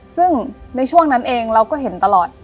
ซึ่งในช่วงนั้นเองเราก็เห็นตลอด